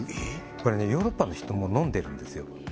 これねヨーロッパの人もう飲んでるんですよ